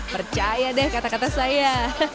percaya deh kata kata saya